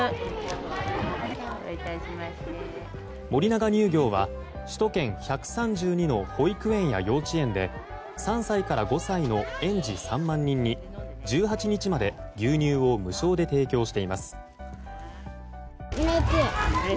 森永乳業は首都圏１３２の保育園や幼稚園で３歳から５歳の園児３万人に１８日まで牛乳を無償で提供しています。